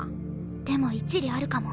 でも一理あるかも。